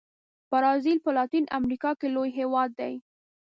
برازیل په لاتین امریکا کې لوی هېواد دی.